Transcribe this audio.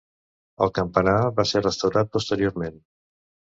El campanar va ser restaurat posteriorment.